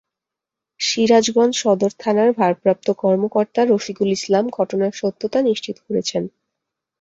সিরাজগঞ্জ সদর থানার ভারপ্রাপ্ত কর্মকর্তা রফিকুল ইসলাম ঘটনার সত্যতা নিশ্চিত করেছেন।